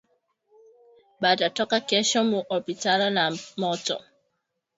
Bata toka kesho mu opitalo na mtoto